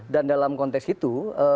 dan dalam konteks itu